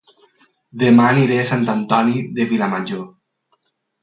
Dema aniré a Sant Antoni de Vilamajor